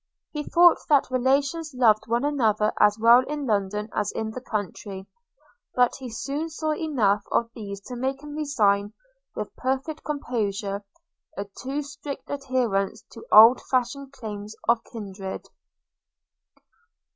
He thought that relations loved one another as well in London as in the country; but he soon saw enough of these to make him resign, with perfect composure, a too strict adherence to old fashioned claims of kindred.